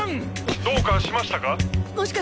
どうかしましたか？